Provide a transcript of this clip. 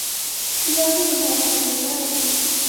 一番折腾后她回到家里